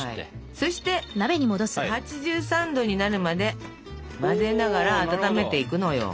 そして８３℃になるまで混ぜながら温めていくのよ。